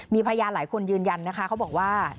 มีพยานหลายคนยืนยันนะคะเขาบอกว่า